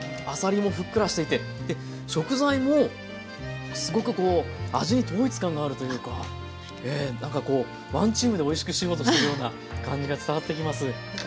あさりもふっくらしていて食材もすごくこう味に統一感があるというかなんかこうワンチームでおいしくしようとしてるような感じが伝わってきます。